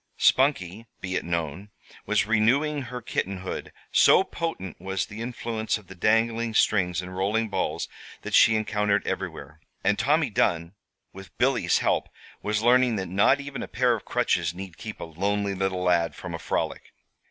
Spunkie, be it known, was renewing her kittenhood, so potent was the influence of the dangling strings and rolling balls that she encountered everywhere; and Tommy Dunn, with Billy's help, was learning that not even a pair of crutches need keep a lonely little lad from a frolic.